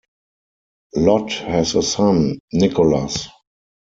Lott has a son, Nicholas.